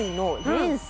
連鎖？